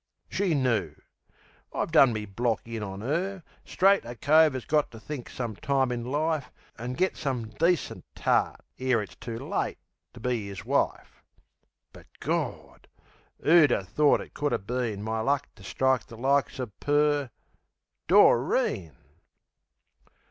She knoo. I've done me block in on her, straight. A cove 'as got to think some time in life An' get some decent tart, ere it's too late, To be 'is wife. But, Gawd! 'Oo would 'a' thort it could 'a' been My luck to strike the likes of Per?...Doreen!